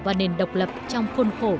và nền độc lập trong khôn khổ